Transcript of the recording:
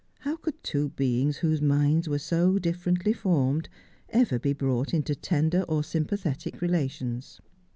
How could two beings whose minds were so differently formed, ever be brought into tender or sympathetic relations